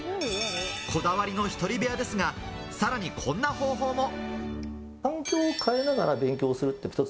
こだわりの１人部屋ですが、さらに、こんな方法も。